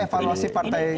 itu evaluasi partai